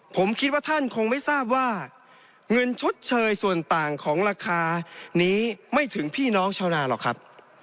ผมคิดว่าท่านคงไม่ทราบว่าเงินชดเชยส่วนต่างของราคานี้ไม่ถึงพี่น้องชาวนาหรอกครับ